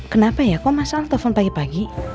kenapa ya kok mas al telfon pagi pagi